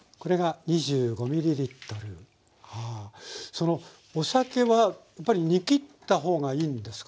そのお酒はやっぱり煮きった方がいいんですか？